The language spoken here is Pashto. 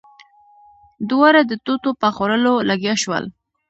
دواړه د توتو په خوړلو لګيا شول.